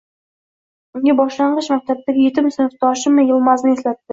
unga boshlang'ich maktabdagi yetim sinfdoshi Yilmazni eslatdi.